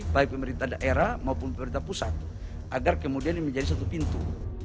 baik pemerintah daerah maupun pemerintah pusat agar kemudian ini menjadi satu pintu